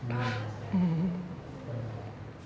うん。